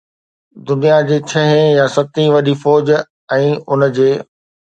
دنيا جي ڇهين يا ستين وڏي فوج ۽ ان جي